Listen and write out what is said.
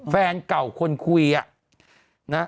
แฟนเก่าคนคุย